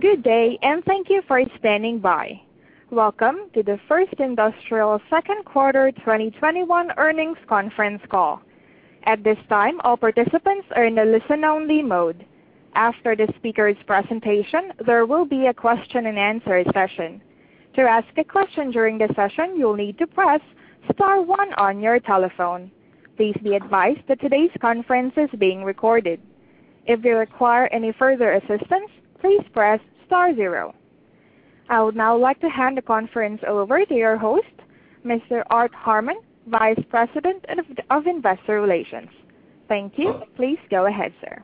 Good day, and thank you for standing by. Welcome to the First Industrial second quarter 2021 earnings conference call. At this time, all participants are in listen-only mode. After the speakers' presentation, there will be a question-and-answer session. To ask a question during the session, you need to press star one on your telephone. Please be advised that today's conference is being recorded. If you require any further assistance, please press star zero. I would now like to hand the conference over to your host, Mr. Art Harmon, Vice President of Investor Relations. Thank you. Please go ahead, sir.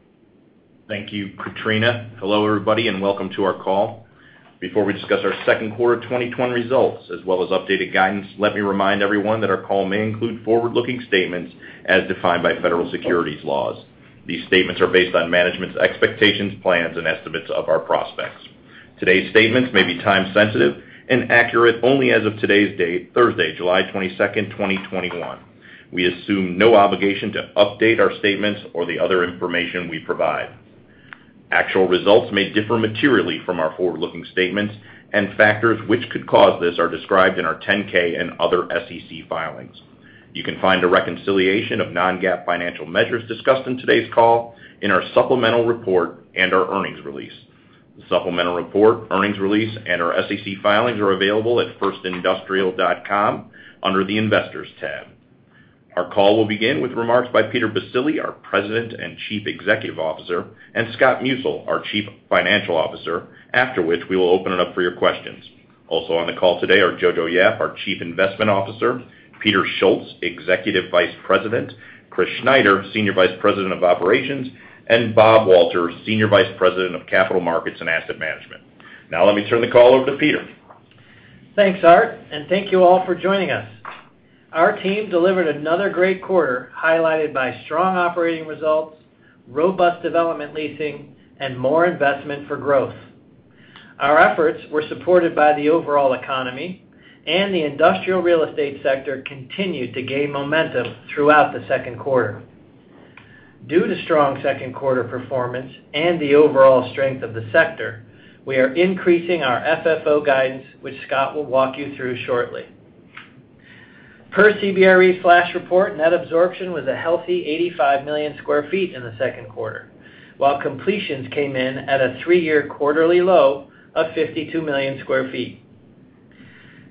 Thank you, Katrina. Hello, everybody, and welcome to our call. Before we discuss our second quarter 2021 results, as well as updated guidance, let me remind everyone that our call may include forward-looking statements as defined by federal securities laws. These statements are based on management's expectations, plans, and estimates of our prospects. Today's statements may be time sensitive and accurate only as of today's date, Thursday, July 22nd, 2021. We assume no obligation to update our statements or the other information we provide. Actual results may differ materially from our forward-looking statements, and factors which could cause this are described in our 10-K and other SEC filings. You can find a reconciliation of non-GAAP financial measures discussed in today's call in our supplemental report and our earnings release. The supplemental report, earnings release, and our SEC filings are available at firstindustrial.com under the Investors tab. Our call will begin with remarks by Peter Baccile, our President and Chief Executive Officer, and Scott Musil, our Chief Financial Officer. After which, we will open it up for your questions. Also on the call today are Jojo Yap, our Chief Investment Officer; Peter Schultz, Executive Vice President; Chris Schneider, Senior Vice President of Operations; and Bob Walter, Senior Vice President of Capital Markets and Asset Management. Now let me turn the call over to Peter. Thanks, Art, and thank you all for joining us. Our team delivered another great quarter, highlighted by strong operating results, robust development leasing, and more investment for growth. Our efforts were supported by the overall economy, and the industrial real estate sector continued to gain momentum throughout the second quarter. Due to strong second quarter performance and the overall strength of the sector, we are increasing our FFO guidance, which Scott will walk you through shortly. Per CBRE flash report, net absorption was a healthy 85 million sq ft in the second quarter, while completions came in at a three-year quarterly low of 52 million sq ft.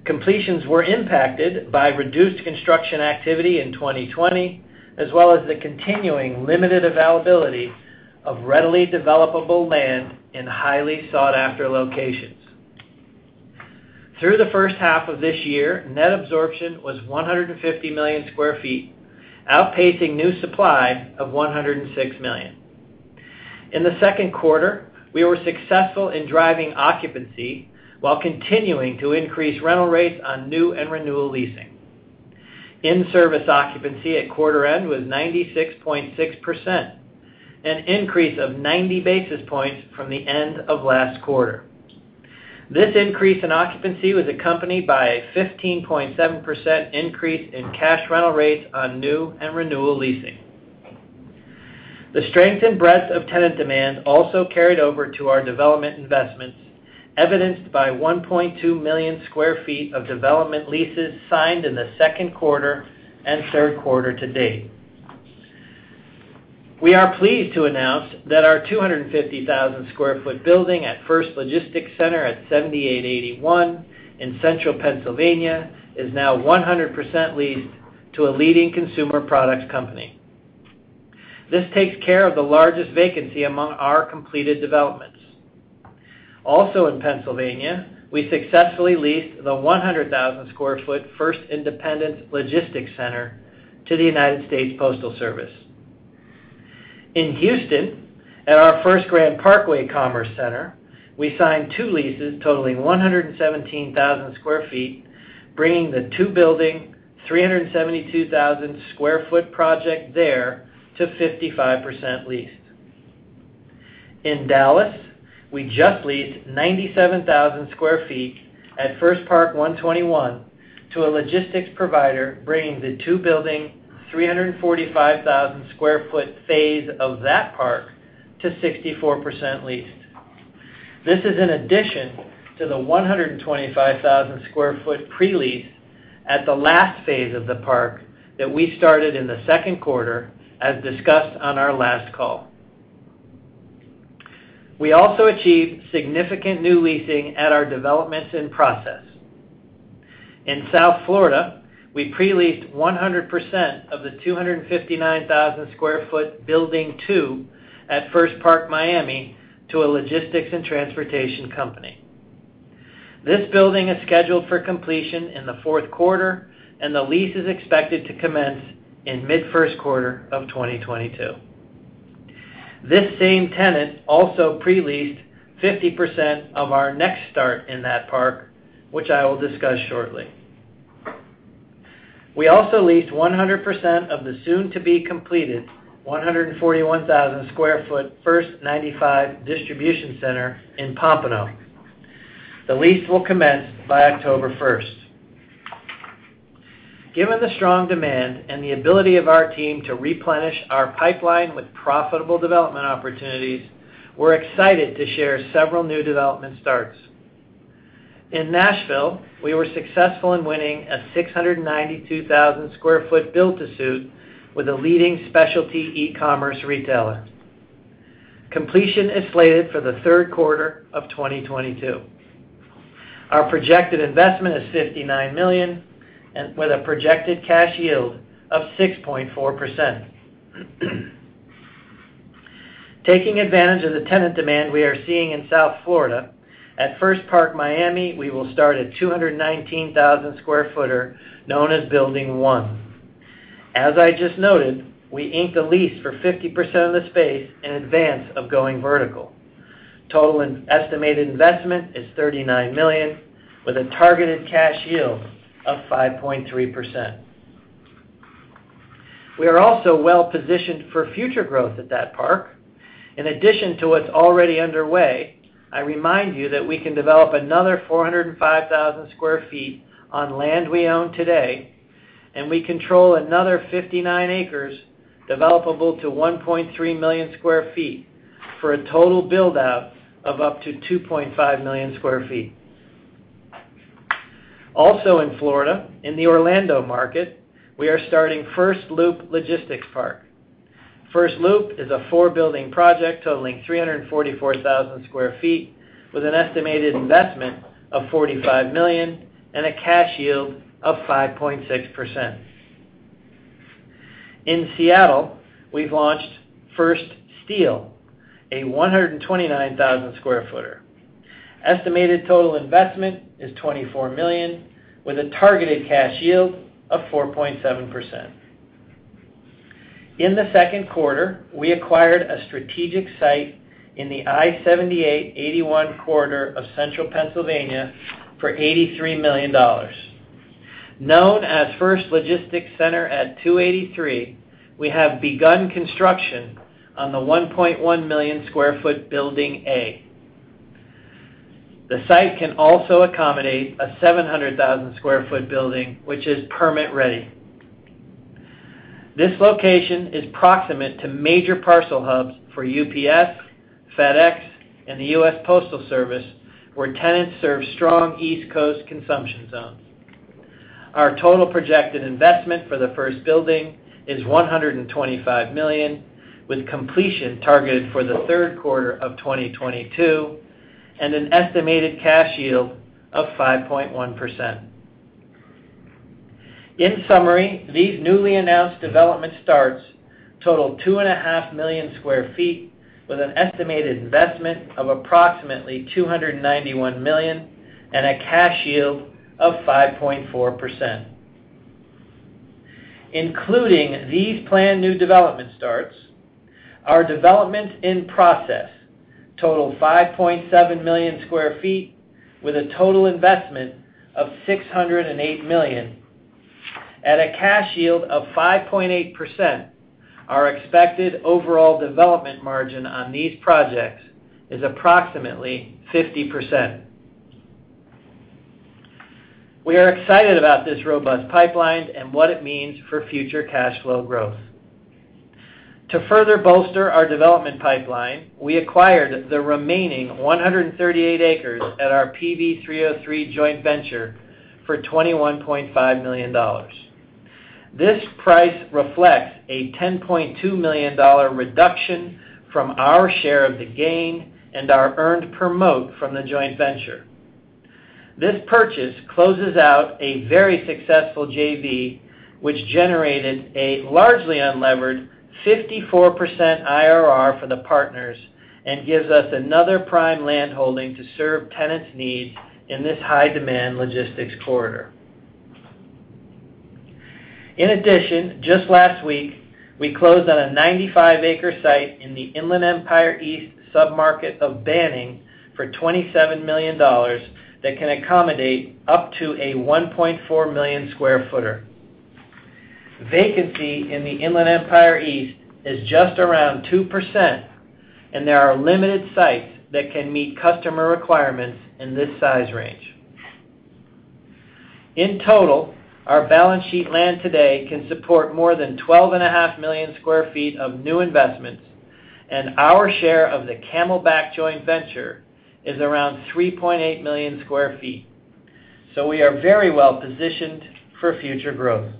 Completions were impacted by reduced construction activity in 2020, as well as the continuing limited availability of readily developable land in highly sought-after locations. Through the first half of this year, net absorption was 150 million sq ft, outpacing new supply of 106 million sq ft. In the second quarter, we were successful in driving occupancy while continuing to increase rental rates on new and renewal leasing. In-service occupancy at quarter end was 96.6%, an increase of 90 basis points from the end of last quarter. This increase in occupancy was accompanied by a 15.7% increase in cash rental rates on new and renewal leasing. The strength and breadth of tenant demand also carried over to our development investments, evidenced by 1.2 million sq ft of development leases signed in the second quarter and third quarter to date. We are pleased to announce that our 250,000 sq ft building at First Logistics Center @ 78/81 in Central Pennsylvania is now 100% leased to a leading consumer products company. This takes care of the largest vacancy among our completed developments. Also in Pennsylvania, we successfully leased the 100,000 sq ft First Independence Logistics Center to the United States Postal Service. In Houston, at our First Grand Parkway Commerce Center, we signed two leases totaling 117,000 sq ft, bringing the two-building, 372,000 sq ft project there to 55% leased. In Dallas, we just leased 97,000 sq ft at First Park 121 to a logistics provider, bringing the two-building, 345,000 sq ft phase of that park to 64% leased. This is in addition to the 125,000 sq ft pre-lease at the last phase of the park that we started in the second quarter as discussed on our last call. We also achieved significant new leasing at our developments in process. In South Florida, we pre-leased 100% of the 259,000 sq ft Building 2 at First Park Miami to a logistics and transportation company. This building is scheduled for completion in the fourth quarter, and the lease is expected to commence in mid-first quarter of 2022. This same tenant also pre-leased 50% of our next start in that park, which I will discuss shortly. We also leased 100% of the soon-to-be completed 141,000 sq ft First 95 Distribution Center in Pompano. The lease will commence by October 1st. Given the strong demand and the ability of our team to replenish our pipeline with profitable development opportunities, we're excited to share several new development starts. In Nashville, we were successful in winning a 692,000 sq ft build-to-suit with a leading specialty e-commerce retailer. Completion is slated for the third quarter of 2022. Our projected investment is $59 million, with a projected cash yield of 6.4%. Taking advantage of the tenant demand we are seeing in South Florida, at First Park Miami, we will start a 219,000 sq ft known as Building 1. As I just noted, we inked a lease for 50% of the space in advance of going vertical. Total estimated investment is $39 million, with a targeted cash yield of 5.3%. We are also well-positioned for future growth at that park. In addition to what's already underway, I remind you that we can develop another 405,000 sq ft on land we own today, and we control another 59 acres developable to 1.3 million sq ft, for a total build-out of up to 2.5 million sq ft. Also in Florida, in the Orlando market, we are starting First Loop Logistics Park. First Loop is a four-building project totaling 344,000 sq ft, with an estimated investment of $45 million and a cash yield of 5.6%. In Seattle, we've launched First Steele, a 129,000 sq ft. Estimated total investment is $24 million, with a targeted cash yield of 4.7%. In the second quarter, we acquired a strategic site in the I-78/81 corridor of Central Pennsylvania for $83 million. Known as First Logistics Center @ 283, we have begun construction on the 1.1 million sq ft Building A. The site can also accommodate a 700,000 sq ft building, which is permit-ready. This location is proximate to major parcel hubs for UPS, FedEx, and the U.S. Postal Service, where tenants serve strong East Coast consumption zones. Our total projected investment for the first building is $125 million, with completion targeted for the third quarter of 2022 and an estimated cash yield of 5.1%. In summary, these newly announced development starts total 2.5 million sq ft with an estimated investment of approximately $291 million and a cash yield of 5.4%. Including these planned new development starts, our development in process totals 5.7 million sq ft with a total investment of $608 million. At a cash yield of 5.8%, our expected overall development margin on these projects is approximately 50%. We are excited about this robust pipeline and what it means for future cash flow growth. To further bolster our development pipeline, we acquired the remaining 138 acres at our PV 303 joint venture for $21.5 million. This price reflects a $10.2 million reduction from our share of the gain and our earned promote from the joint venture. This purchase closes out a very successful JV, which generated a largely unlevered 54% IRR for the partners and gives us another prime landholding to serve tenants' needs in this high-demand logistics corridor. In addition, just last week, we closed on a 95-acre site in the Inland Empire East submarket of Banning for $27 million that can accommodate up to a 1.4 million sq ft. Vacancy in the Inland Empire East is just around 2%, and there are limited sites that can meet customer requirements in this size range. In total, our balance sheet land today can support more than 12.5 million sq ft of new investments, and our share of the Camelback joint venture is around 3.8 million sq ft. We are very well positioned for future growth.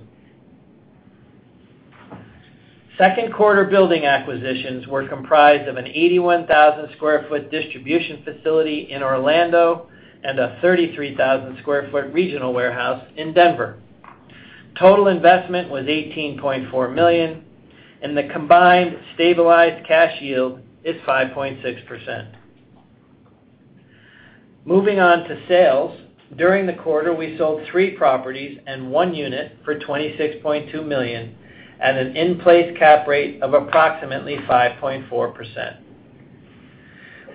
Second quarter building acquisitions were comprised of an 81,000 sq ft distribution facility in Orlando and a 33,000 sq ft regional warehouse in Denver. Total investment was $18.4 million, and the combined stabilized cash yield is 5.6%. Moving on to sales. During the quarter, we sold three properties and one unit for $26.2 million at an in-place cap rate of approximately 5.4%.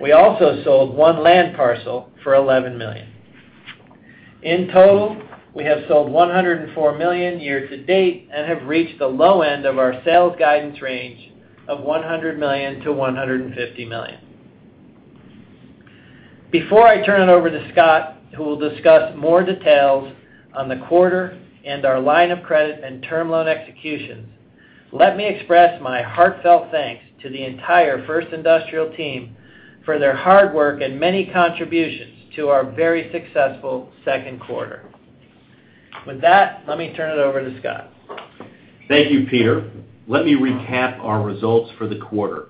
We also sold one land parcel for $11 million. In total, we have sold $104 million year-to-date and have reached the low end of our sales guidance range of $100 million-$150 million. Before I turn it over to Scott, who will discuss more details on the quarter and our line of credit and term loan executions, let me express my heartfelt thanks to the entire First Industrial team for their hard work and many contributions to our very successful second quarter. With that, let me turn it over to Scott. Thank you, Peter. Let me recap our results for the quarter.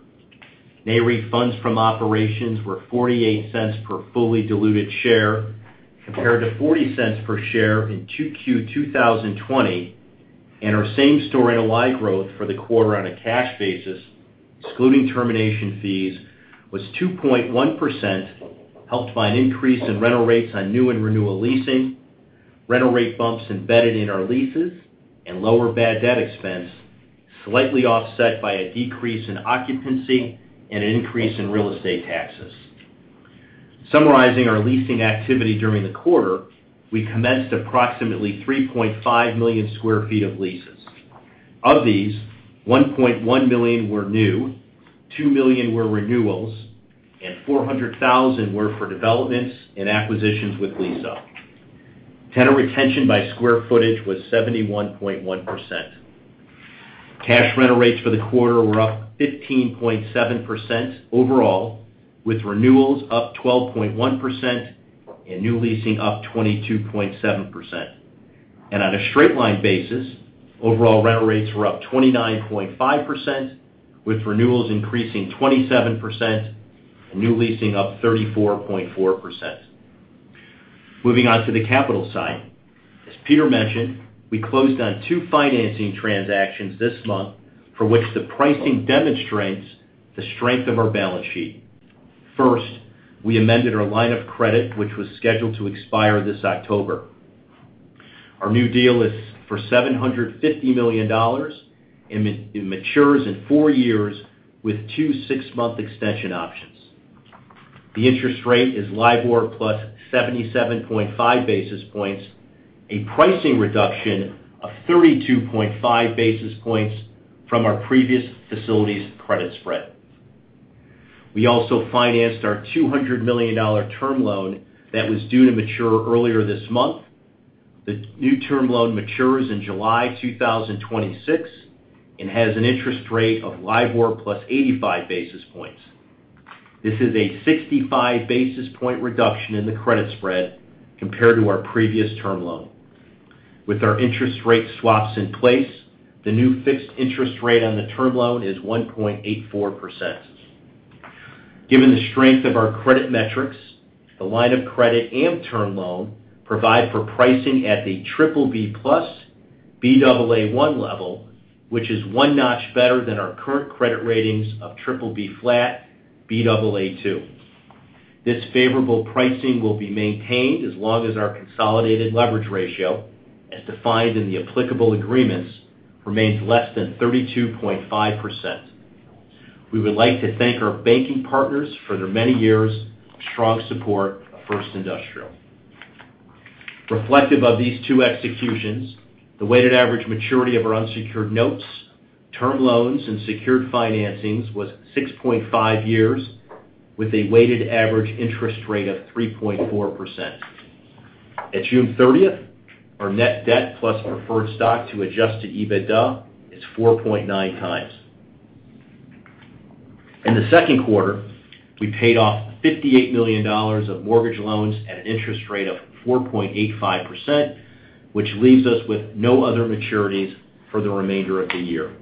NAREIT funds from operations were $0.48 per fully diluted share, compared to $0.40 per share in 2Q 2020, and our same-store NOI growth for the quarter on a cash basis, excluding termination fees, was 2.1%, helped by an increase in rental rates on new and renewal leasing, rental rate bumps embedded in our leases, and lower bad debt expense, slightly offset by a decrease in occupancy and an increase in real estate taxes. Summarizing our leasing activity during the quarter, we commenced approximately 3.5 million sq ft of leases. Of these, 1.1 million sq ft were new, 2 million sq ft were renewals, and 400,000 sq ft were for developments and acquisitions with lease-up. Tenant retention by square footage was 71.1%. Cash rental rates for the quarter were up 15.7% overall, with renewals up 12.1% and new leasing up 22.7%. On a straight line basis, overall rental rates were up 29.5%, with renewals increasing 27% and new leasing up 34.4%. Moving on to the capital side. As Peter mentioned, we closed on two financing transactions this month for which the pricing demonstrates the strength of our balance sheet. First, we amended our line of credit, which was scheduled to expire this October. Our new deal is for $750 million, and it matures in four years with two six-month extension options. The interest rate is LIBOR plus 77.5 basis points, a pricing reduction of 32.5 basis points from our previous facility's credit spread. We also financed our $200 million term loan that was due to mature earlier this month. The new term loan matures in July 2026 and has an interest rate of LIBOR plus 85 basis points. This is a 65 basis point reduction in the credit spread compared to our previous term loan. With our interest rate swaps in place, the new fixed interest rate on the term loan is 1.84%. Given the strength of our credit metrics, the line of credit and term loan provide for pricing at the BBB+/Baa1 level, which is one notch better than our current credit ratings of BBB/Baa2. This favorable pricing will be maintained as long as our consolidated leverage ratio, as defined in the applicable agreements, remains less than 32.5%. We would like to thank our banking partners for their many years of strong support of First Industrial. Reflective of these two executions, the weighted average maturity of our unsecured notes, term loans, and secured financings was 6.5 years with a weighted average interest rate of 3.4%. At June 30th, our net debt plus preferred stock to adjusted EBITDA is 4.9x. In the second quarter, we paid off $58 million of mortgage loans at an interest rate of 4.85%, which leaves us with no other maturities for the remainder of the year.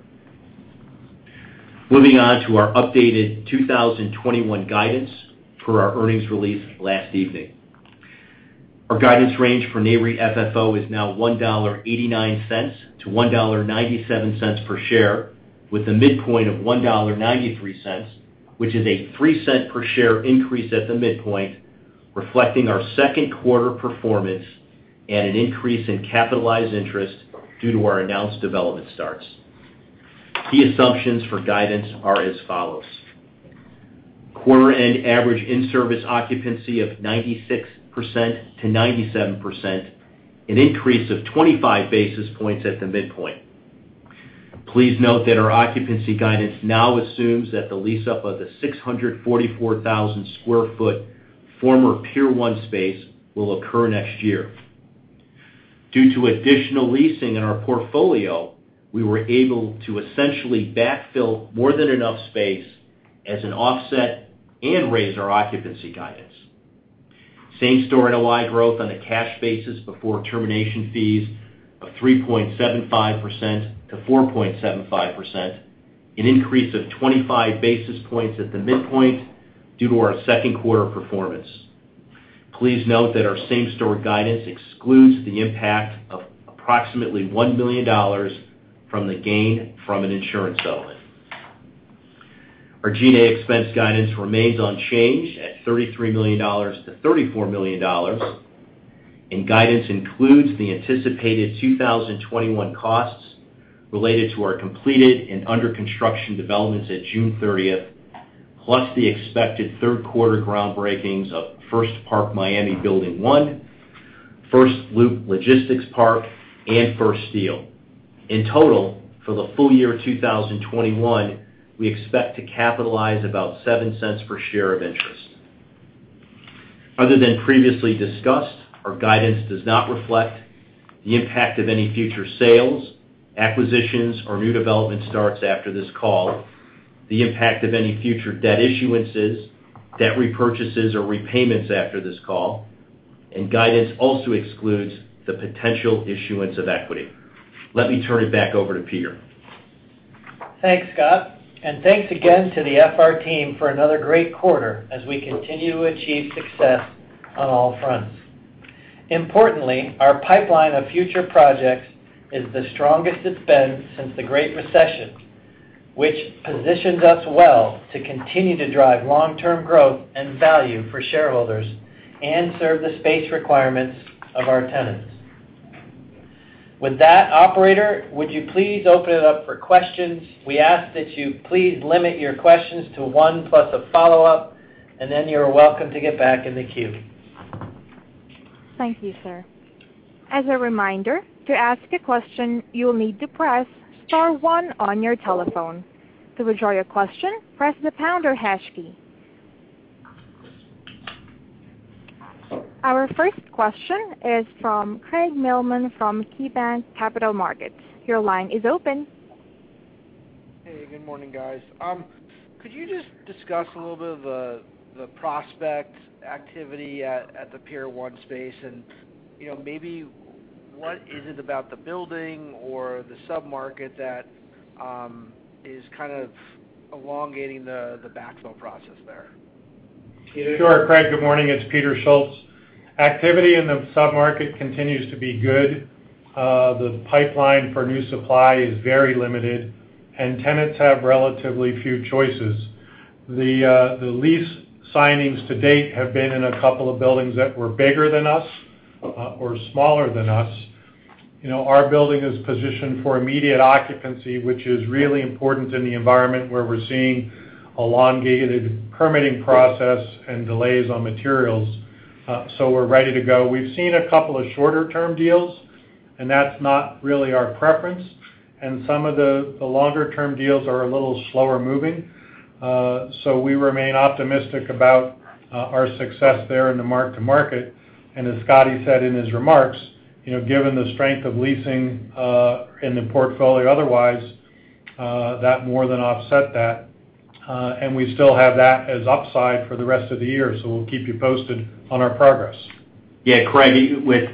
Moving on to our updated 2021 guidance for our earnings release last evening. Our guidance range for NAREIT FFO is now $1.89-$1.97 per share, with a midpoint of $1.93, which is a $0.03 per share increase at the midpoint, reflecting our second quarter performance and an increase in capitalized interest due to our announced development starts. Key assumptions for guidance are as follows. Quarter end average in-service occupancy of 96%-97%, an increase of 25 basis points at the midpoint. Please note that our occupancy guidance now assumes that the lease up of the 644,000 sq ft former Pier 1 space will occur next year. Due to additional leasing in our portfolio, we were able to essentially backfill more than enough space as an offset and raise our occupancy guidance. Same-store NOI growth on a cash basis before termination fees of 3.75%-4.75%, an increase of 25 basis points at the midpoint due to our second quarter performance. Please note that our same-store guidance excludes the impact of approximately $1 million from the gain from an insurance settlement. Our G&A expense guidance remains unchanged at $33 million-$34 million, and guidance includes the anticipated 2021 costs related to our completed and under construction developments at June 30th, plus the expected third quarter groundbreakings of First Park Miami Building 1, First Loop Logistics Park, and First Steele. In total, for the full-year 2021, we expect to capitalize about $0.07 per share of interest. Other than previously discussed, our guidance does not reflect the impact of any future sales, acquisitions, or new development starts after this call, the impact of any future debt issuances, debt repurchases, or repayments after this call, and guidance also excludes the potential issuance of equity. Let me turn it back over to Peter. Thanks, Scott, and thanks again to the FR team for another great quarter as we continue to achieve success on all fronts. Importantly, our pipeline of future projects is the strongest it's been since the Great Recession, which positions us well to continue to drive long-term growth and value for shareholders and serve the space requirements of our tenants. With that, operator, would you please open it up for questions? We ask that you please limit your questions to one plus a follow-up, and then you're welcome to get back in the queue. Thank you, sir. As a reminder, to ask a question, you will need to press star one on your telephone. To withdraw your question, press the pound or hash key. Our first question is from Craig Mailman from KeyBanc Capital Markets. Your line is open. Hey, good morning, guys. Could you just discuss a little bit of the prospect activity at the Pier 1 space, and maybe what is it about the building or the sub-market that is kind of elongating the backfill process there? Peter? Sure, Craig. Good morning. It's Peter Schultz. Activity in the sub-market continues to be good. The pipeline for new supply is very limited, and tenants have relatively few choices. The lease signings to date have been in a couple of buildings that were bigger than us, or smaller than us. Our building is positioned for immediate occupancy, which is really important in the environment where we're seeing elongated permitting process and delays on materials. We're ready to go. We've seen a couple of shorter-term deals, and that's not really our preference. Some of the longer-term deals are a little slower moving. We remain optimistic about our success there in the mark-to-market. As Scottie said in his remarks, given the strength of leasing in the portfolio otherwise, that more than offset that. We still have that as upside for the rest of the year, so we'll keep you posted on our progress. Yeah, Craig,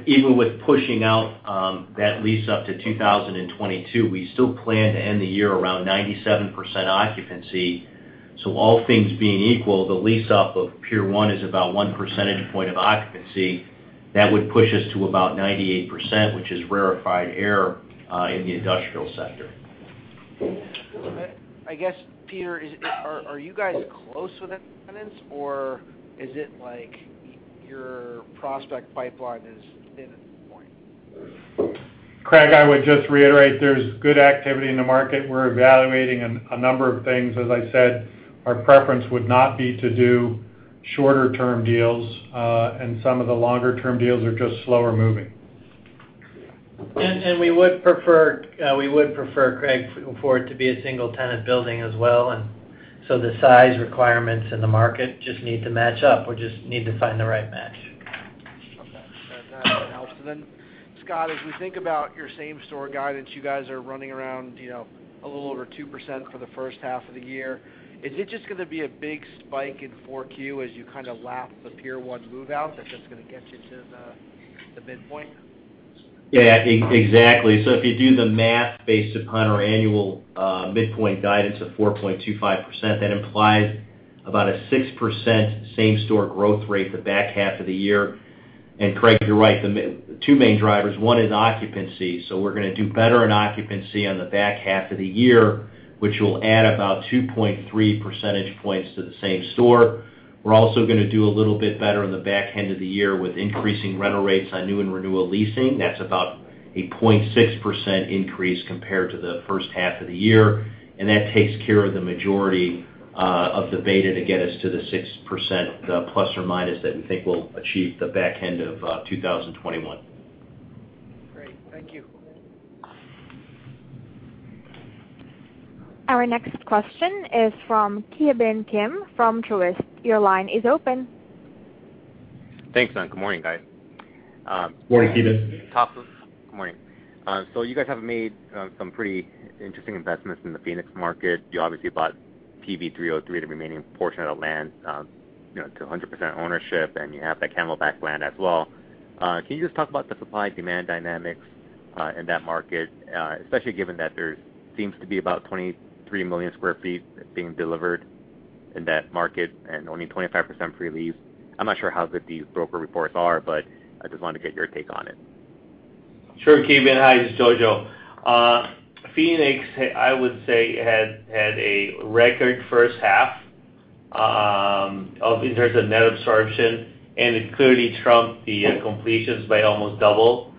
even with pushing out that lease up to 2022, we still plan to end the year around 97% occupancy. All things being equal, the lease up of Pier 1 is about 1 percentage point of occupancy. That would push us to about 98%, which is rarefied air in the industrial sector. I guess, Peter, are you guys close with any tenants, or is it like your prospect pipeline is thin at this point? Craig, I would just reiterate there's good activity in the market. We're evaluating a number of things. As I said, our preference would not be to do shorter-term deals, and some of the longer-term deals are just slower moving. We would prefer, Craig, for it to be a single-tenant building as well. The size requirements in the market just need to match up. We just need to find the right match. Okay. That helps. Scott, as we think about your same-store guidance, you guys are running around a little over 2% for the first half of the year. Is it just going to be a big spike in 4Q as you kind of lap the Pier 1 move-out that's just going to get you to the midpoint? Yeah, exactly. If you do the math based upon our annual midpoint guidance of 4.25%, that implies about a 6% same-store growth rate the back half of the year. Craig, you're right. The two main drivers, one is occupancy. We're going to do better on occupancy on the back half of the year, which will add about 2.3 percentage points to the same store. We're also going to do a little bit better on the back end of the year with increasing rental rates on new and renewal leasing. That's about a 0.6% increase compared to the first half of the year, and that takes care of the majority of the beta to get us to the 6%± that we think we'll achieve the back end of 2021. Great. Thank you. Our next question is from Ki Bin Kim from Truist. Your line is open. Thanks. Good morning, guys. Morning, Ki Bin. Top of... Good morning. You guys have made some pretty interesting investments in the Phoenix market. You obviously bought PV 303, the remaining portion of the land, to 100% ownership, and you have the Camelback land as well. Can you just talk about the supply-demand dynamics in that market, especially given that there seems to be about 23 million sq ft being delivered in that market and only 25% pre-leased? I'm not sure how good these broker reports are, but I just wanted to get your take on it. Sure, Ki Bin. Hi, this is Jojo. Phoenix, I would say, had a record first half in terms of net absorption. It clearly trumped the completions by almost double.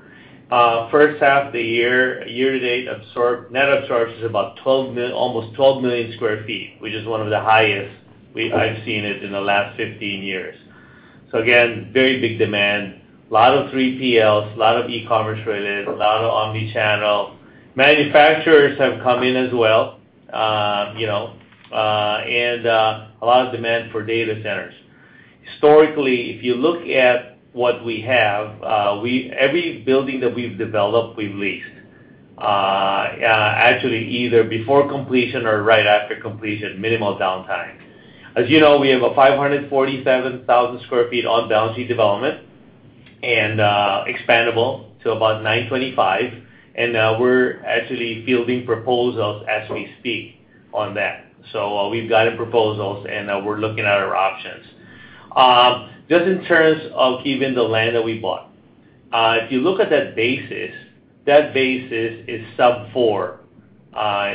First half of the year, year-to-date net absorb is almost 12 million sq ft, which is one of the highest I've seen it in the last 15 years. Again, very big demand. Lot of 3PLs, lot of e-commerce related, a lot of omni-channel. Manufacturers have come in as well, and a lot of demand for data centers. Historically, if you look at what we have, every building that we've developed, we've leased. Actually, either before completion or right after completion, minimal downtime. As you know, we have a 547,000 sq ft on balance sheet development, and expandable to about 925,000 sq ft. We're actually fielding proposals as we speak on that. We've got proposals, and we're looking at our options. Just in terms of even the land that we bought. If you look at that basis, that basis is sub-$4,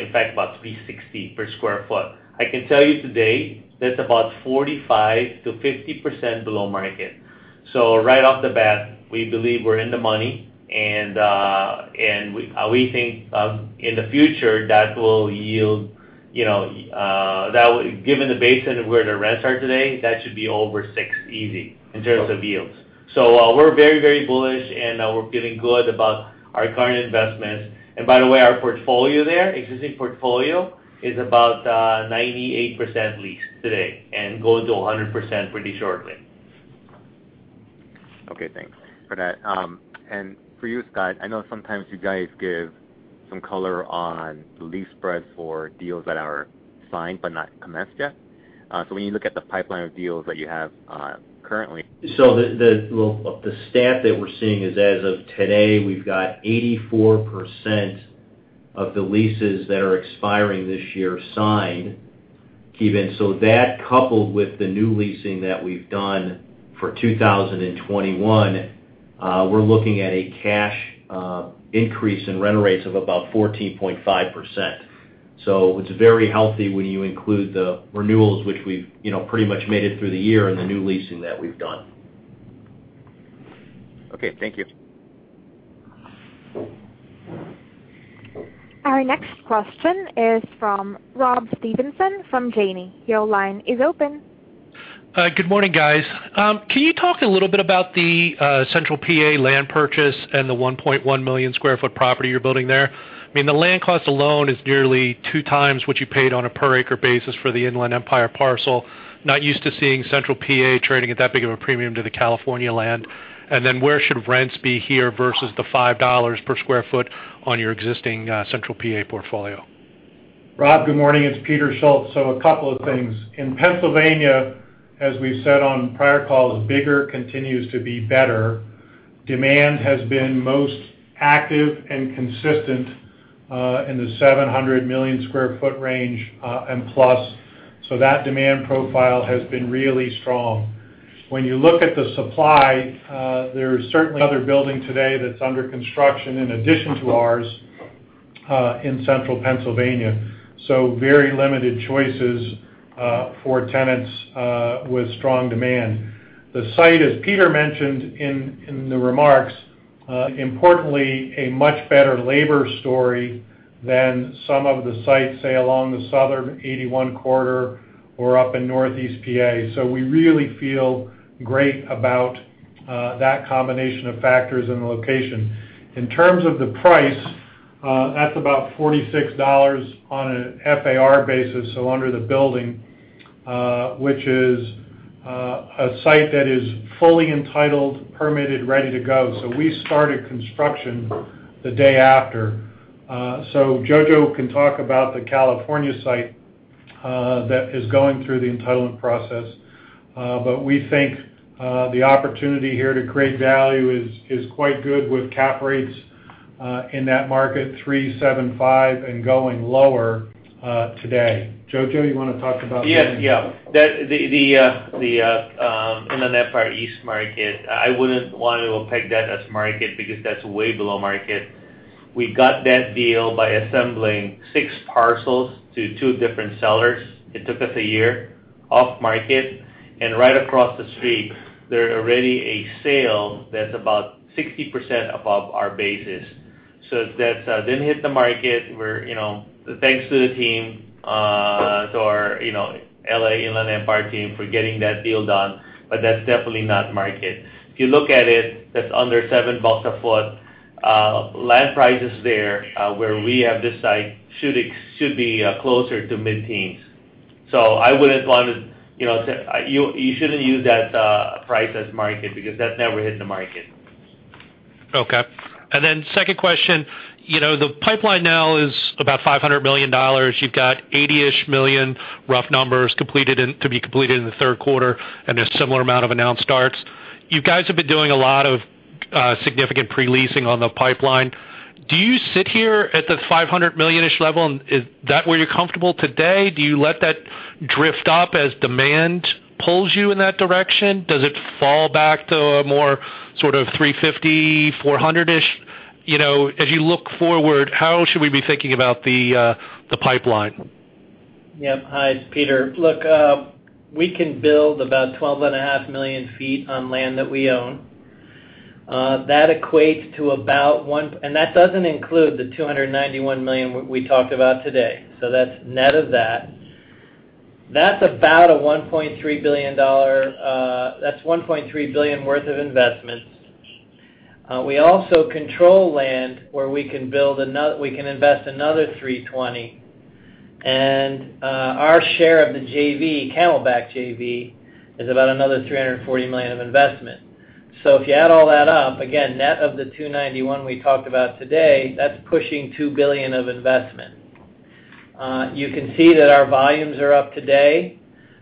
in fact, about $3.60 per sq ft. I can tell you today, that's about 45%-50% below market. Right off the bat, we believe we're in the money, and we think in the future that will yield... Given the basis of where the rents are today, that should be over 6% easy, in terms of yields. We're very bullish, and we're feeling good about our current investments. By the way, our portfolio there, existing portfolio, is about 98% leased today and goes to 100% pretty shortly. Okay, thanks for that. For you, Scott, I know sometimes you guys give some color on lease spreads for deals that are signed but not commenced yet. When you look at the pipeline of deals that you have currently? The stat that we're seeing is as of today, we've got 84% of the leases that are expiring this year signed. Even so, that coupled with the new leasing that we've done for 2021, we're looking at a cash increase in rent rates of about 14.5%. It's very healthy when you include the renewals, which we've pretty much made it through the year and the new leasing that we've done. Okay, thank you. Our next question is from Rob Stevenson from Janney. Your line is open. Good morning, guys. Can you talk a little bit about the Central P.A. land purchase and the 1.1 million sq ft property you're building there? I mean, the land cost alone is nearly 2x what you paid on a per acre basis for the Inland Empire parcel. Not used to seeing Central P.A. trading at that big of a premium to the California land. Where should rents be here versus the $5 per sq ft on your existing Central P.A. portfolio? Rob, good morning. It's Peter Schultz. A couple of things. In Pennsylvania, as we've said on prior calls, bigger continues to be better. Demand has been most active and consistent in the 700 million sq ft range and plus. That demand profile has been really strong. When you look at the supply, there's certainly other building today that's under construction in addition to ours in Central Pennsylvania. Very limited choices for tenants with strong demand. The site, as Peter mentioned in the remarks, importantly, a much better labor story than some of the sites, say, along the southern 81 corridor or up in Northeast P.A. We really feel great about that combination of factors and the location. In terms of the price, that's about $46 on an FAR basis, so under the building, which is a site that is fully entitled, permitted, ready to go. We started construction the day after. Jojo can talk about the California site that is going through the entitlement process. We think the opportunity here to create value is quite good with cap rates in that market 3.75% and going lower today. Jojo, you want to talk about? Yes. The Inland Empire East market, I wouldn't want to peg that as market because that's way below market. We got that deal by assembling six parcels to two different sellers. It took us a year off market. Right across the street, there's already a sale that's about 60% above our basis. That didn't hit the market. Thanks to the team, to our L.A. Inland Empire team for getting that deal done, but that's definitely not market. If you look at it, that's under $7 per sq ft. Land prices there, where we have this site, should be closer to mid-teens. You shouldn't use that price as market because that never hit the market. Okay. Second question. The pipeline now is about $500 million. You've got $80-ish million, rough numbers to be completed in the third quarter, and a similar amount of announced starts. You guys have been doing a lot of significant pre-leasing on the pipeline. Do you sit here at the $500 million-ish level, and is that where you're comfortable today? Do you let that drift up as demand pulls you in that direction? Does it fall back to a more sort of $350 million-$400 million-ish? As you look forward, how should we be thinking about the pipeline? Yep. Hi, it's Peter. Look, we can build about 12.5 million ft on land that we own. That doesn't include the $291 million we talked about today. That's net of that. That's about $1.3 billion worth of investment. We also control land where we can invest another $320 million, and our share of the Camelback JV is about another $340 million of investment. If you add all that up, again, net of the $291 million we talked about today, that's pushing $2 billion of investment. You can see that our volumes are up today.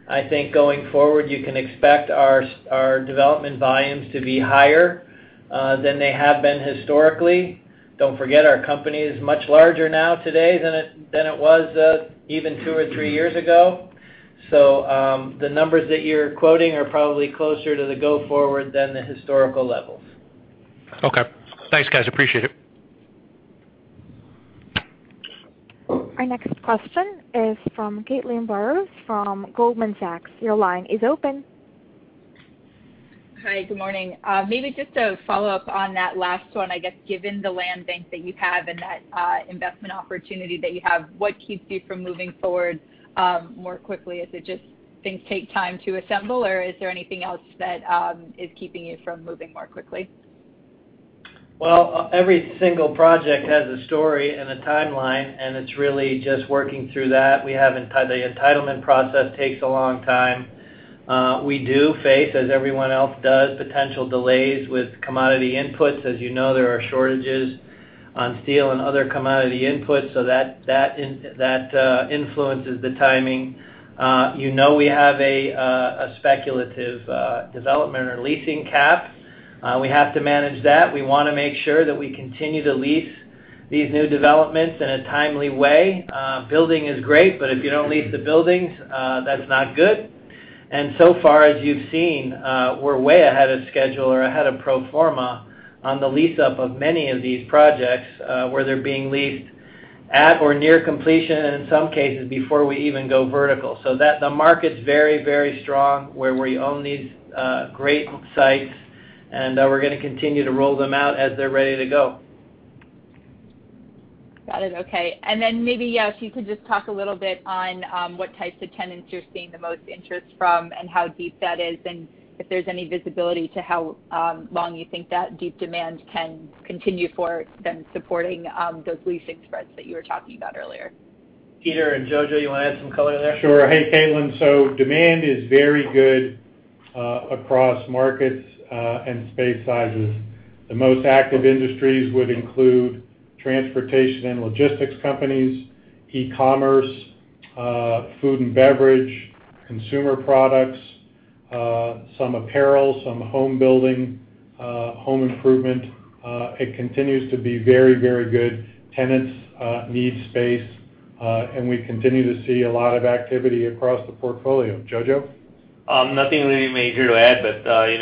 I think going forward, you can expect our development volumes to be higher than they have been historically. Don't forget, our company is much larger now today than it was even two or three years ago. The numbers that you're quoting are probably closer to the go forward than the historical levels. Okay. Thanks, guys. Appreciate it. Our next question is from Caitlin Burrows from Goldman Sachs. Your line is open. Hi. Good morning. Just a follow-up on that last one, I guess given the land bank that you have and that investment opportunity that you have. What keeps you from moving forward more quickly? Is it just things take time to assemble, or is there anything else that is keeping you from moving more quickly? Well, every single project has a story and a timeline. It's really just working through that. The entitlement process takes a long time. We do face, as everyone else does, potential delays with commodity inputs. As you know, there are shortages on steel and other commodity inputs. That influences the timing. You know we have a speculative development and leasing cap. We have to manage that. We want to make sure that we continue to lease these new developments in a timely way. Building is great. If you don't lease the buildings, that's not good. So far, as you've seen, we're way ahead of schedule or ahead of pro forma on the lease-up of many of these projects, where they're being leased at or near completion in some cases before we even go vertical. The market's very, very strong where we own these great sites, and we're going to continue to roll them out as they're ready to go. Got it. Okay. Maybe, yes, you could just talk a little bit on what types of tenants you're seeing the most interest from and how deep that is, and if there's any visibility to how long you think that deep demand can continue for them supporting those leasing spreads that you were talking about earlier. Peter and Jojo, you want to add some color there? Sure. Hey, Caitlin. Demand is very good across markets, and space sizes. The most active industries would include transportation and logistics companies, e-commerce, food and beverage, consumer products, some apparel, some home building, home improvement. It continues to be very, very good. Tenants need space, and we continue to see a lot of activity across the portfolio. Jojo? Nothing really major to add,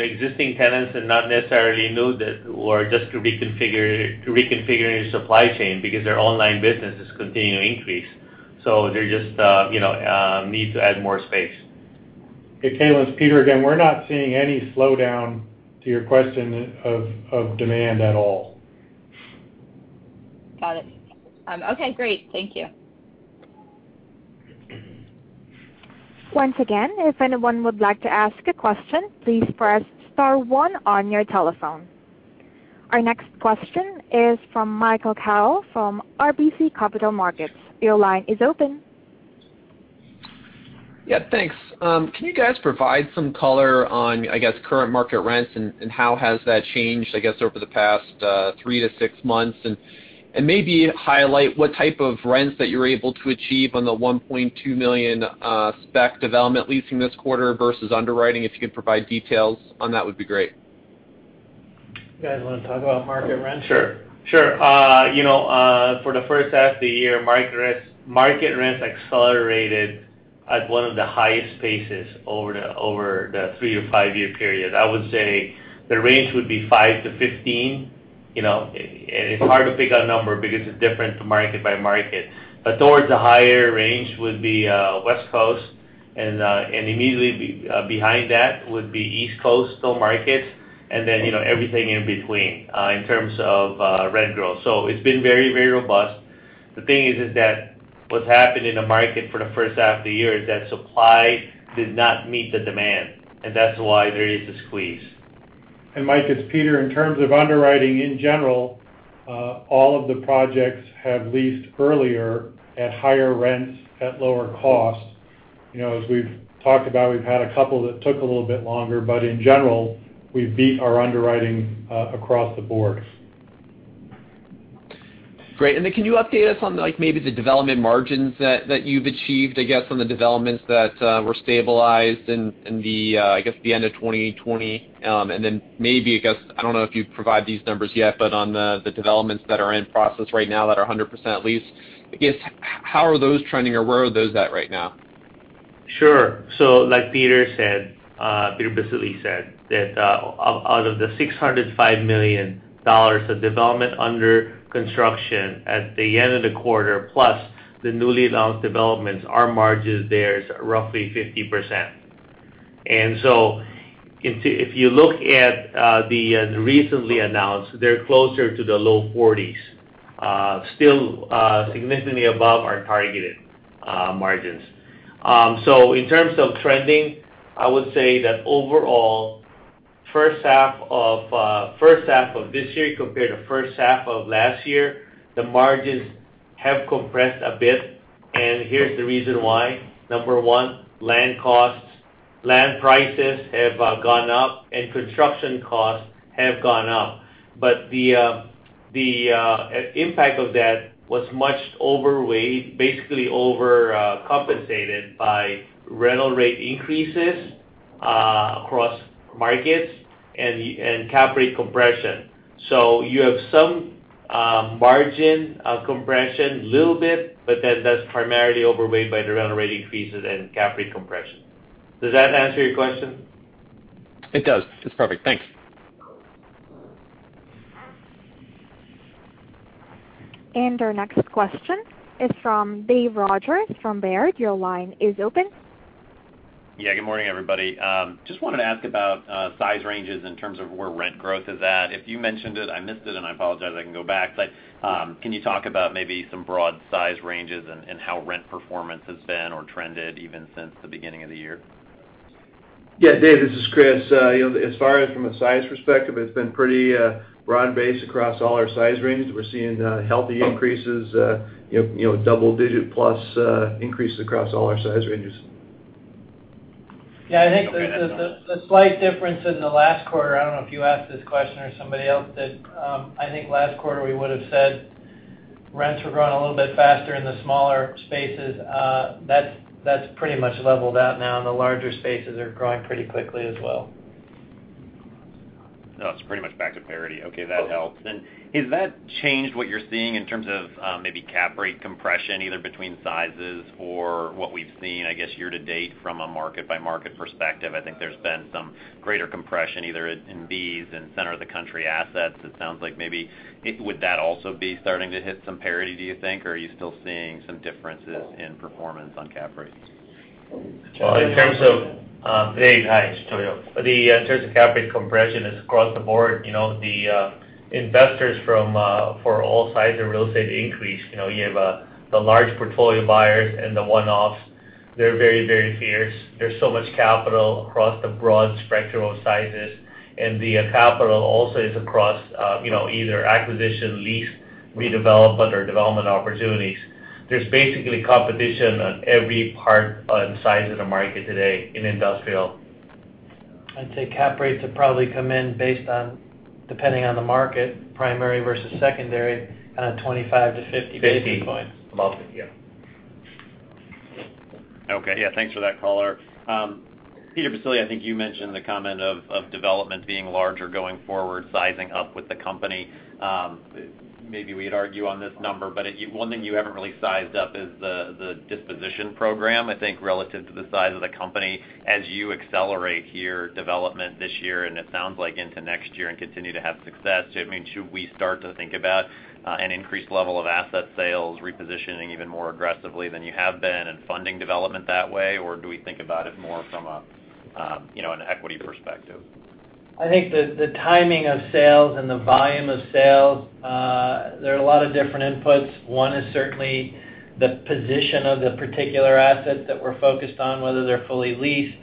existing tenants are not necessarily new or just reconfiguring their supply chain because their online business is continuing to increase. They just need to add more space. Hey, Caitlin, it's Peter again. We're not seeing any slowdown, to your question, of demand at all. Got it. Okay, great. Thank you. Our next question is from Michael Carroll from RBC Capital Markets. Yeah, thanks. Can you guys provide some color on, I guess, current market rents and how has that changed, I guess, over the past three to six months? Maybe highlight what type of rents that you're able to achieve on the 1.2 million spec development leasing this quarter versus underwriting. If you could provide details on that, would be great. You guys want to talk about market rents? Sure. For the first half of the year, market rents accelerated at one of the highest paces over the three- or five-year period. I would say the range would be 5%-15%. It's hard to pick a number because it's different to market-by-market. Towards the higher range would be West Coast, immediately behind that would be East Coast markets, and then everything in between in terms of rent growth. It's been very, very robust. The thing is that what's happened in the market for the first half of the year is that supply did not meet the demand, and that's why there is a squeeze. Mike, it's Peter. In terms of underwriting in general, all of the projects have leased earlier at higher rents, at lower cost. As we've talked about, we've had a couple that took a little bit longer, but in general, we've beat our underwriting across the board. Great. Can you update us on maybe the development margins that you've achieved, I guess, on the developments that were stabilized in the end of 2020? Maybe, I don't know if you've provided these numbers yet, but on the developments that are in process right now that are 100% leased, I guess how are those trending, or where are those at right now? Sure. Like Peter Baccile said, that out of the $605 million of development under construction at the end of the quarter, plus the newly announced developments, our margins there is roughly 50%. If you look at the recently announced, they're closer to the low 40s, still significantly above our targeted margins. In terms of trending, I would say that overall, first half of this year compared to first half of last year, the margins have compressed a bit, and here's the reason why. Number one, land costs. Land prices have gone up and construction costs have gone up. The impact of that was much overweighed, basically over-compensated by rental rate increases across markets and cap rate compression. You have some margin compression, little bit, but then that's primarily overweighed by the rental rate increases and cap rate compression. Does that answer your question? It does. It's perfect. Thanks. Our next question is from Dave Rodgers from Baird. Your line is open. Yeah. Good morning, everybody. Just wanted to ask about size ranges in terms of where rent growth is at. If you mentioned it, I missed it, and I apologize, I can go back. Can you talk about maybe some broad size ranges and how rent performance has been or trended even since the beginning of the year? Dave, this is Chris. As far as from a size perspective, it's been pretty broad-based across all our size ranges. We're seeing healthy increases, double-digit plus increases across all our size ranges. Yeah, I think the slight difference in the last quarter, I don't know if you asked this question or somebody else did. I think last quarter we would've said rents were growing a little bit faster in the smaller spaces. That's pretty much leveled out now, and the larger spaces are growing pretty quickly as well. No, it's pretty much back to parity. Okay. That helps. Has that changed what you're seeing in terms of maybe cap rate compression, either between sizes or what we've seen, I guess, year-to-date from a market-by-market perspective? I think there's been some greater compression either in Bs and center of the country assets, it sounds like maybe. Would that also be starting to hit some parity, do you think? Are you still seeing some differences in performance on cap rates? Dave, hi, it's Jojo. In terms of cap rate compression, it's across the board. The investors for all sizes of real estate increase. You have the large portfolio buyers and the one-offs. They're very fierce. There's so much capital across the broad spectrum of sizes, and the capital also is across either acquisition, lease, redevelop, or development opportunities. There's basically competition on every part and size of the market today in industrial. I'd say cap rates have probably come in based on, depending on the market, primary versus secondary, kind of 25 basis points-50 basis points. 50 basis points. About, yeah. Okay. Yeah. Thanks for that color. Peter Baccile, I think you mentioned the comment of development being larger going forward, sizing up with the company. Maybe we'd argue on this number. One thing you haven't really sized up is the disposition program, I think, relative to the size of the company. As you accelerate here development this year, and it sounds like into next year and continue to have success, should we start to think about an increased level of asset sales repositioning even more aggressively than you have been and funding development that way? Do we think about it more from an equity perspective? I think the timing of sales and the volume of sales, there are a lot of different inputs. One is certainly the position of the particular asset that we're focused on, whether they're fully leased.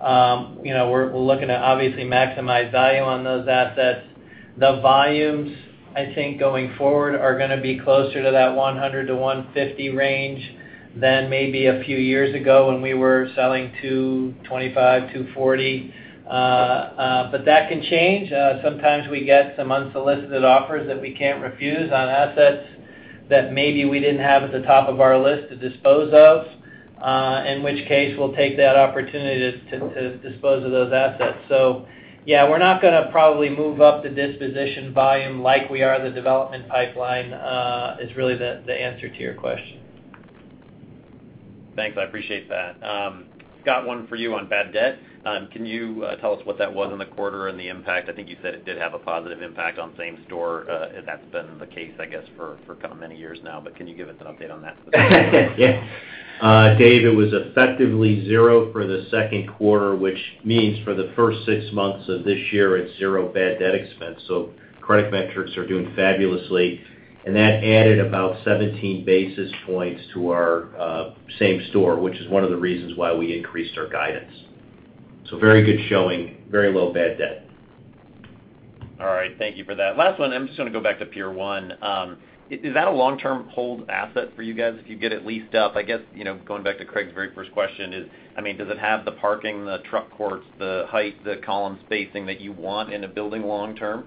We're looking to obviously maximize value on those assets. The volumes, I think, going forward are going to be closer to that $100 million-$150 million range than maybe a few years ago when we were selling $225 million, $240 million. That can change. Sometimes we get some unsolicited offers that we can't refuse on assets that maybe we didn't have at the top of our list to dispose of, in which case we'll take that opportunity to dispose of those assets. We're not going to probably move up the disposition volume like we are the development pipeline, is really the answer to your question. Thanks. I appreciate that. Scott, one for you on bad debt. Can you tell us what that was in the quarter and the impact? I think you said it did have a positive impact on same-store. That's been the case, I guess, for kind of many years now, but can you give us an update on that? Yeah. Dave, it was effectively zero for the second quarter, which means for the first six months of this year, it's zero bad debt expense. Credit metrics are doing fabulously. That added about 17 basis points to our same-store, which is one of the reasons why we increased our guidance. Very good showing, very low bad debt. All right. Thank you for that. Last one, I'm just going to go back to Pier 1. Is that a long-term hold asset for you guys if you get it leased up? I guess, going back to Craig's very first question is, does it have the parking, the truck courts, the height, the column spacing that you want in a building long term?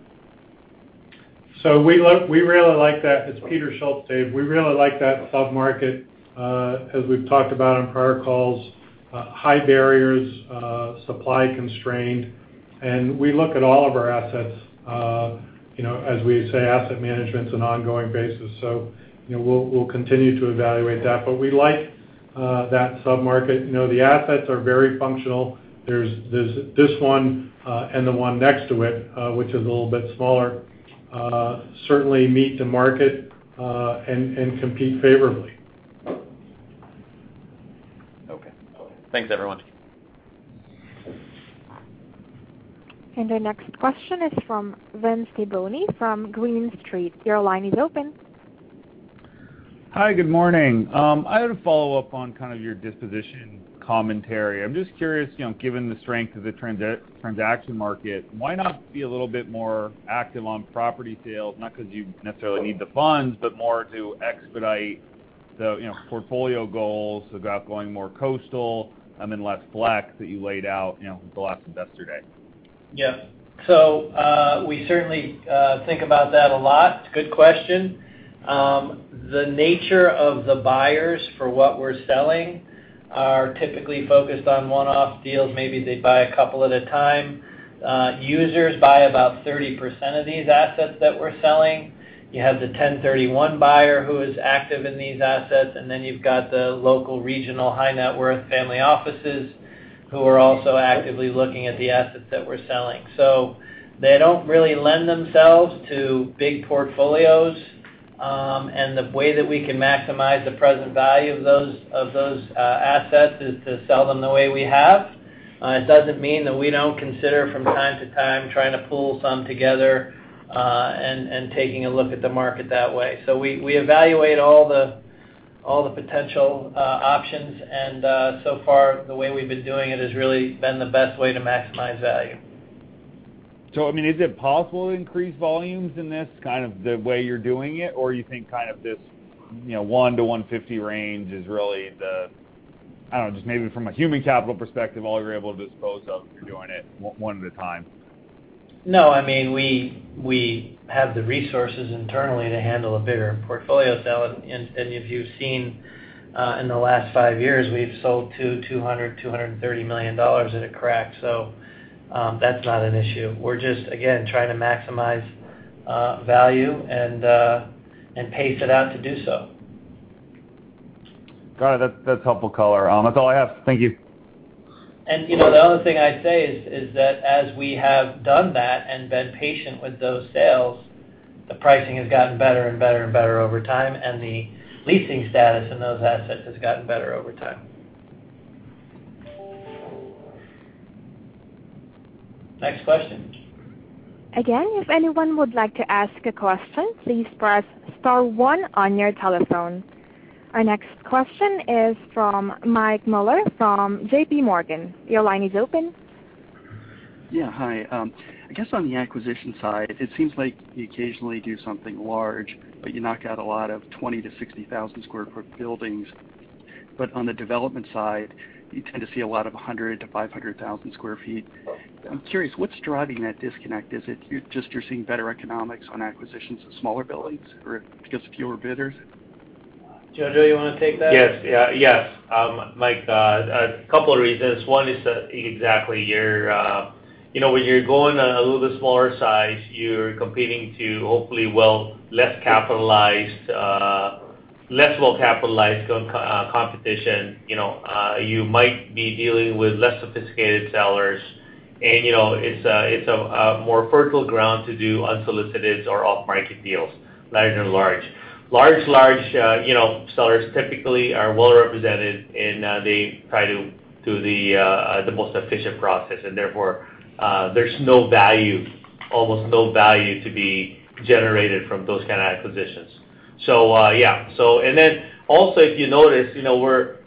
It's Peter Schultz, Dave. We really like that sub-market, as we've talked about on prior calls. High barriers, supply-constrained. We look at all of our assets. As we say, asset management's an ongoing basis, so we'll continue to evaluate that. We like that sub-market. The assets are very functional. There's this one and the one next to it, which is a little bit smaller, certainly meet the market and compete favorably. Okay. Thanks, everyone. Our next question is from Vince Tibone from Green Street. Hi, good morning. I had a follow-up on kind of your disposition commentary. I'm just curious, given the strength of the transaction market, why not be a little bit more active on property sales, not because you necessarily need the funds, but more to expedite the portfolio goals about going more coastal and then less flex that you laid out at the last investor day? Yeah. We certainly think about that a lot. Good question. The nature of the buyers for what we're selling are typically focused on one-off deals. Maybe they buy a couple at a time. Users buy about 30% of these assets that we're selling. You have the 1031 buyer who is active in these assets, and then you've got the local regional high-net-worth family offices who are also actively looking at the assets that we're selling. They don't really lend themselves to big portfolios. The way that we can maximize the present value of those assets is to sell them the way we have. It doesn't mean that we don't consider from time to time trying to pull some together and taking a look at the market that way. We evaluate all the potential options, and so far, the way we've been doing it has really been the best way to maximize value. Is it possible to increase volumes in this kind of the way you're doing it? Or you think kind of this $100 million-$150 million range is I don't know, just maybe from a human capital perspective, all you're able to dispose of if you're doing it one at a time? No, we have the resources internally to handle a bigger portfolio sale. If you've seen in the last five years, we've sold two, $200 million-$230 million at a crack, so that's not an issue. We're just, again, trying to maximize value and pace it out to do so. Got it. That's helpful color. That's all I have. Thank you. The only thing I'd say is that as we have done that and been patient with those sales, the pricing has gotten better and better and better over time, and the leasing status in those assets has gotten better over time. Next question? Again, if anyone would like to ask a question, please press star one on your telephone. Our next question is from Mike Mueller from JPMorgan. Your line is open. Yeah. Hi. I guess on the acquisition side. It seems like you occasionally do something large, but you knock out a lot of 20,000 sq ft-60,000 sq ft buildings. On the development side, you tend to see a lot of 100,000 sq ft-500,000 sq ft. I'm curious, what's driving that disconnect? Is it just you're seeing better economics on acquisitions of smaller buildings or because of fewer bidders? Jojo, do you want to take that? Mike, a couple of reasons. One is that exactly. When you're going a little bit smaller size, you're competing to hopefully less well-capitalized competition. You might be dealing with less sophisticated sellers, and it's a more fertile ground to do unsolicited or off-market deals. Large sellers typically are well-represented, and they try to do the most efficient process, and therefore, there's almost no value to be generated from those kind of acquisitions. Yeah. Then also, if you notice,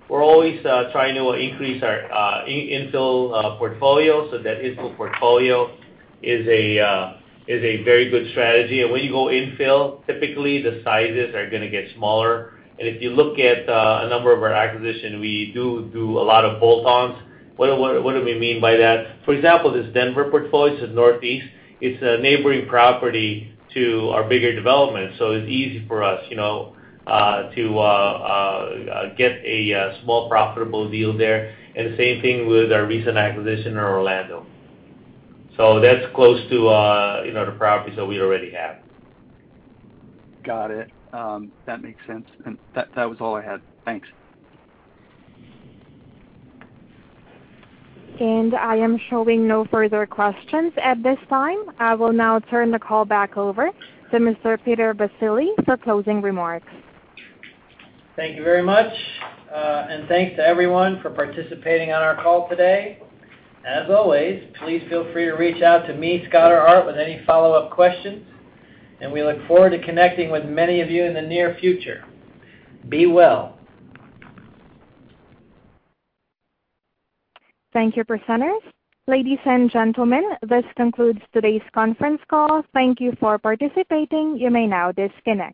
we're always trying to increase our infill portfolio. That infill portfolio is a very good strategy. When you go infill, typically the sizes are going to get smaller. If you look at a number of our acquisitions, we do a lot of bolt-ons. What do we mean by that? For example, this Denver portfolio, this is Northeast. It's a neighboring property to our bigger development. It's easy for us to get a small profitable deal there. The same thing with our recent acquisition in Orlando. That's close to the properties that we already have. Got it. That makes sense. That was all I had. Thanks. I am showing no further questions at this time. I will now turn the call back over to Mr. Peter Baccile for closing remarks. Thank you very much, and thanks to everyone for participating on our call today. As always, please feel free to reach out to me, Scott, or Art with any follow-up questions, and we look forward to connecting with many of you in the near future. Be well. Thank you, presenters. Ladies and gentlemen, this concludes today's conference call. Thank you for participating. You may now disconnect.